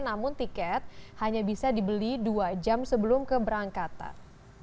namun tiket hanya bisa dibeli dua jam sebelum keberangkatan